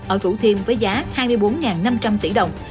ở thủ thiêm với giá hai mươi bốn năm trăm linh tỷ đồng